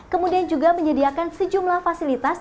kemudian juga menyediakan sejumlah fasilitas